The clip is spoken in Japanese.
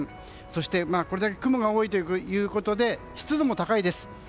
そして、これだけ雲が多いということで湿度も高いです。